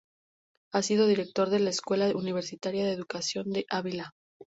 Ha sido Director de la "Escuela Universitaria de Educación" de Ávila.